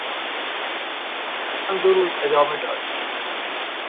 شور توفان دو روز ادامه داشت.